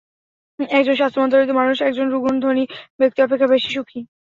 একজন স্বাস্থ্যবান দরিদ্র মানুষ একজন রুগ্ণ ধনী ব্যক্তি অপেক্ষা বেশি সুখী।